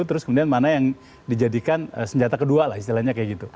terus kemudian mana yang dijadikan senjata kedua lah istilahnya kayak gitu